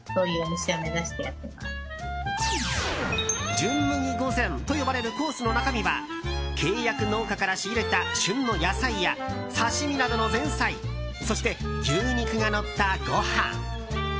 純麦御膳と呼ばれるコースの中身は契約農家から仕入れた旬の野菜や刺し身などの前菜そして牛肉がのったご飯。